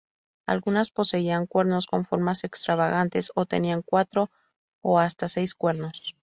Algunas poseían cuernos con formas extravagantes, o tenían cuatro o hasta seis cuernos.